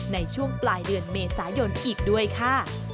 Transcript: ในช่วงปลายเดือนเมษายนอีกด้วยค่ะ